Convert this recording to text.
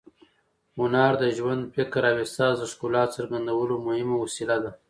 هنر د ژوند، فکر او احساس د ښکلا څرګندولو مهم وسیله ده.